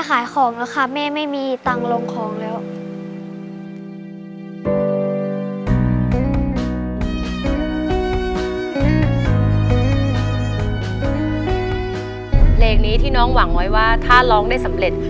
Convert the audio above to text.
เพลงนี้ที่น้องหวังไว้ว่าถ้าร้องได้สำเร็จ